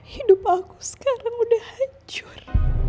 hidup aku sekarang udah hancur